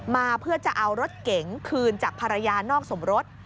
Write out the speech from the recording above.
มาเพื่อจะเอารถเก๋งคืนจากภรรยานอกสมรส